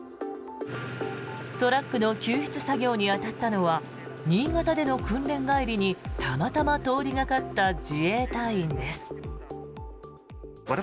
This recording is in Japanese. トラックの救出作業に当たったのは新潟での訓練帰りにたまたま通りがかった自衛隊員です。